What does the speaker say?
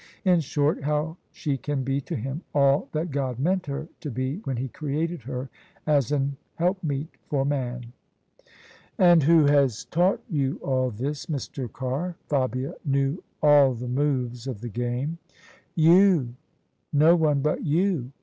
In short, how she can be to him all that God meant her to be when He created her as an helpmeet for man." "And who has taught you all this, Mr. Carr?" Fabia knew all the moves of the game. " You ; no one but you